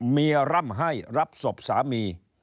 ร่ำให้รับศพสามี